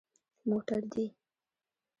_موټر دي؟